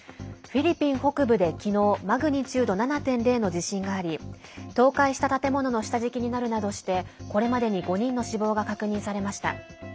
フィリピン北部で、きのうマグニチュード７．０の地震があり倒壊した建物の下敷きになるなどしてこれまでに５人の死亡が確認されました。